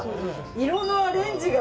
色のアレンジが。